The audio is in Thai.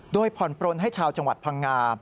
โดยผ่อนปลนให้ชาวจังหวัดพังงา